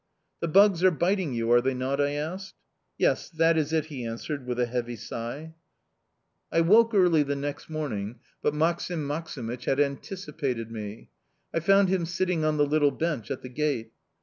"The bugs are biting you, are they not?" I asked. "Yes, that is it," he answered, with a heavy sigh. I woke early the next morning, but Maksim Maksimych had anticipated me. I found him sitting on the little bench at the gate.